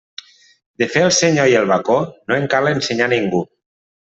De fer el senyor i el bacó, no en cal ensenyar ningú.